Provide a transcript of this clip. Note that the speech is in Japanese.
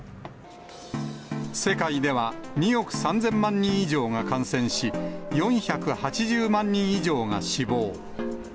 世界では２億３０００万人以上が感染し、４８０万人以上が死亡。